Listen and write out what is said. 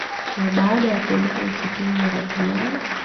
Na baada ya kuondoka msituni na hatimaye